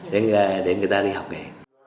để người ta đi học nghề